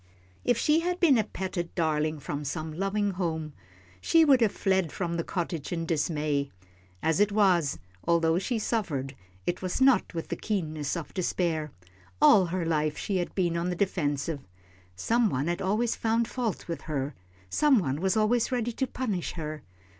If she had been a petted darling from some loving home, she would have fled from the cottage in dismay. As it was, although she suffered, it was not with the keenness of despair. All her life she had been on the defensive. Some one had always found fault with her, some one was always ready to punish her.